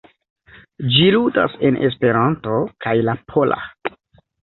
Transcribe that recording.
Ĝi ludas en Esperanto kaj la pola.